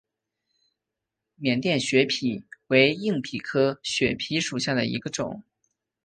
缅甸血蜱为硬蜱科血蜱属下的一个种。